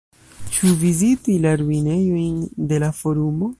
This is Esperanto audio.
Ĉu viziti la ruinejojn de la Forumo?